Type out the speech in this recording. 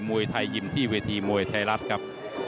มวยไทยยิมที่เวทีมวยไทยรัฐครับ